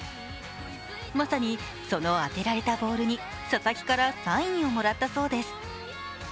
まさにその当てられたボールに佐々木からサインをもらったそうです。